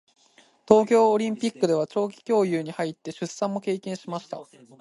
東京オリンピックでは長期休養に入って出産も経験しました。